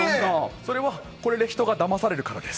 それはこれで人がだまされるからです。